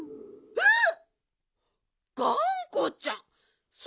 えっ！？